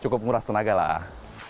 cukup menguras tenaga lah